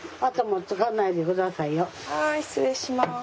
はい失礼します。